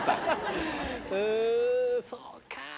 うんそうか。